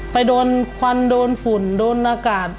ไปโดนควันโดนฝุ่นโดนอากาศ